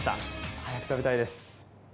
早く食べたいです。